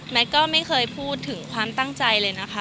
ก็ไม่เคยพูดถึงความตั้งใจเลยนะคะ